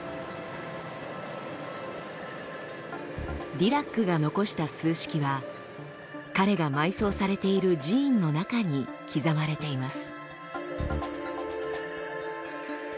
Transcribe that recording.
ディラックが残した数式は彼が埋葬されている寺院の中に刻まれています。